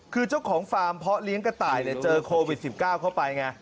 คือเจ้าของฟาร์มเพาะเลี้ยงกระต่ายเจอโควิด๑๙เข้าไปไง